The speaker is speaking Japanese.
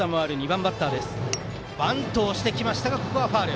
バントをしてきましたがファウル。